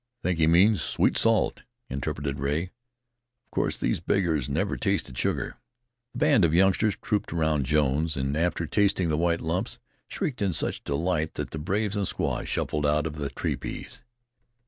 "Think he means sweet salt," interpreted Rea. "Of course these beggars never tasted sugar." The band of youngsters trooped round Jones, and after tasting the white lumps, shrieked in such delight that the braves and squaws shuffled out of the tepees.